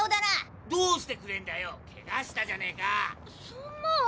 そんな。